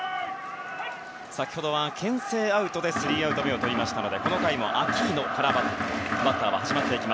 先ほどは牽制アウトでスリーアウト目をとりましたのでこの回もアキーノからバッターです。